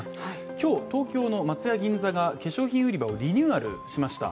今日、東京の松屋銀座が化粧品売り場をリニューアルしました。